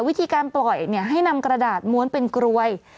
วิธีการปล่อยให้นำกระดาษม้วนเป็นกลวย